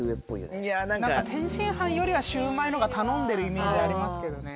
天津飯よりはシューマイのが頼んでるイメージありますけどね。